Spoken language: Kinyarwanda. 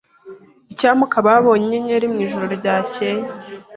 Icyampa ukaba warabonye inyenyeri mwijoro ryakeye.